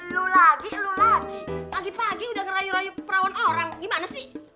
lu lagi lo lagi pagi pagi udah ngerayu rayu perawan orang gimana sih